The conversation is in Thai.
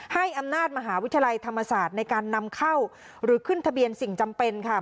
ให้อำนาจมหาวิทยาลัยธรรมศาสตร์ในการนำเข้าหรือขึ้นทะเบียนสิ่งจำเป็นค่ะ